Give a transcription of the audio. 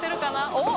おっ！